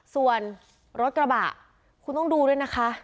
ส่วนรถกระบะคุณต้องดูด้วยนะคะ